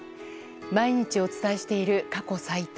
毎日お伝えしている過去最多。